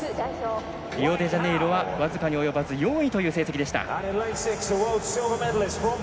リオデジャネイロは僅かに及ばず４位という成績でした。